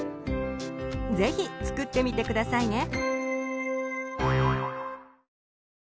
是非作ってみて下さいね。